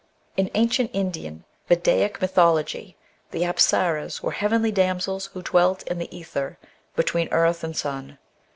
In ancient Indian Vedaic mythology the apsaras were heavenly damsels who dwelt in the aether, between earth and sun.